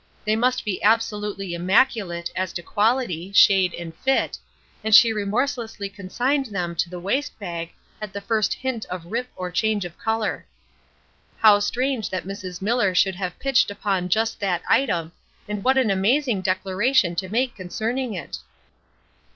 They must be absolutely immaculate as to quality, shade and fit, and she remorselessly consigned them to the waste bag at the first hint of rip or change of color. How strange that Mrs. Miller should have pitched upon just that item, and what an amazing declaration to make concerning it!